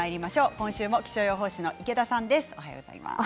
今週も気象予報士の池田さんです。